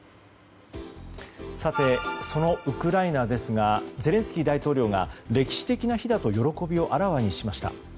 さて、そのウクライナですがゼレンスキー大統領が歴史的な日だと喜びをあらわにしました。